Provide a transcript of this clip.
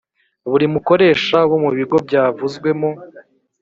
Buri mukoresha wo mu bigo byavuzwe mu